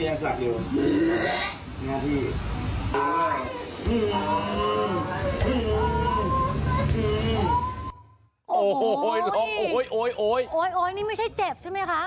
โอ้โหโอ๋ยนี่ไม่ใช่เจ็บใช่ไหมคะ